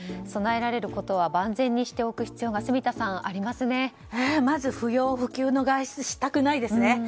備えられることは万全にしておく必要がまず不要不急の外出をしたくないですね。